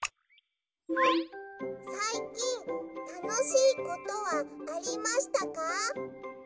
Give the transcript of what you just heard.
さいきんたのしいことはありましたか？